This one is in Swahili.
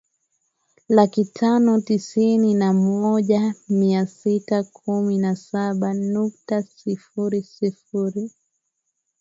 laki tano tisini na moja mia sita kumi na saba nukta sifuri sifuri